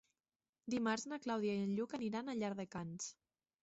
Dimarts na Clàudia i en Lluc aniran a Llardecans.